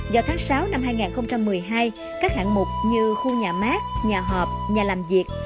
do tháng sáu năm hai nghìn một mươi hai các hạng mục như khu nhà mát nhà họp nhà làm việc